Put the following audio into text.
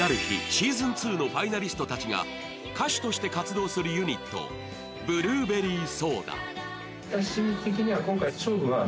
ｓｅａｓｏｎ２のファイナリストたちが歌手として活動するユニット、ブルーベリーソーダ。